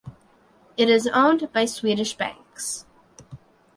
It is owned by Swedish banks.